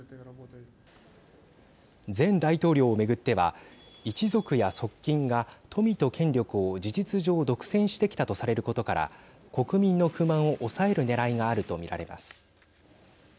前大統領を巡っては一族や側近が富と権力を事実上独占してきたとされることから国民の不満を抑えるねらいがあると見られます。